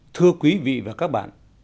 thưa quý vị và các bạn